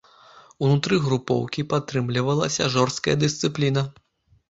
Унутры групоўкі падтрымлівалася жорсткая дысцыпліна.